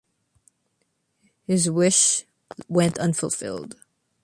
His wish went unfulfilled.